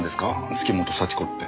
月本幸子って。